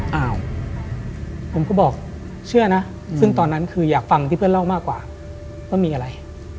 อ้าวผมก็บอกเชื่อนะซึ่งตอนนั้นคืออยากฟังที่เพื่อนเล่ามากกว่าว่ามีอะไร